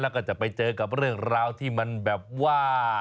แล้วก็จะไปเจอกับเรื่องราวที่มันแบบว่า